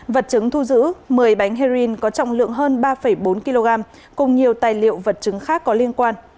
vật chứng thu giữ một mươi bánh heroin có trọng lượng hơn ba bốn kg cùng nhiều tài liệu vật chứng khác có liên quan